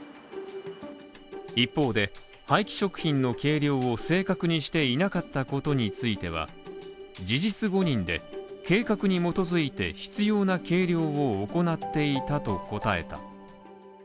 一方で、廃棄食品の計量を正確にしていなかったことについては事実誤認で、計画に基づいて必要な計量を行っていたと答えた。